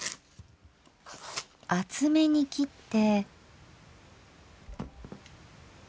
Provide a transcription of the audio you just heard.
厚めに切って。